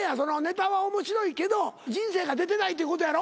ネタは面白いけど人生が出てないってことやろ？